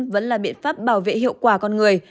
vẫn là biện pháp bảo vệ hiệu quả con người